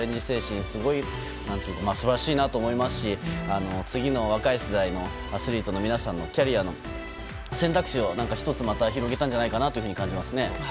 精神が素晴らしいなと思いますし次の若い世代のアスリートの皆さんのキャリアの選択肢を１つまた広げたんじゃないかと感じますね。